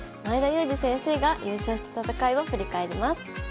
前田祐司先生が優勝した戦いを振り返ります。